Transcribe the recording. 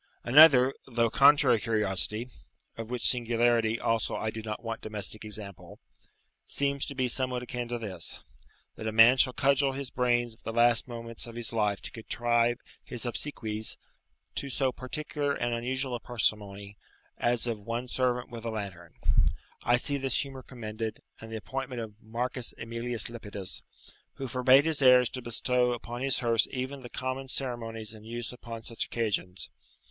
Another, though contrary curiosity (of which singularity, also, I do not want domestic example), seems to be somewhat akin to this, that a man shall cudgel his brains at the last moments of his life to contrive his obsequies to so particular and unusual a parsimony as of one servant with a lantern, I see this humour commended, and the appointment of Marcus. Emilius Lepidus, who forbade his heirs to bestow upon his hearse even the common ceremonies in use upon such occasions.